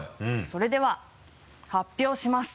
それでは発表します。